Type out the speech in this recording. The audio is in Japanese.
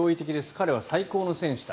彼は最高の選手だ。